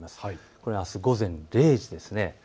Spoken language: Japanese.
これ、あすの午前０時です。